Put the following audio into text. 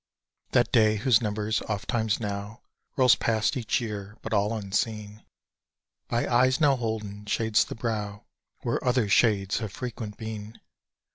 That day whose number ofttimes now Rolls past each year, but all unseen By eyes now holden, shades the brow Where other shades have frequent been!